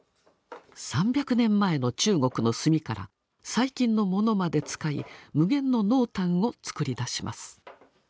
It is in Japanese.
３００年前の中国の墨から最近のものまで使い無限の濃淡を作り出します。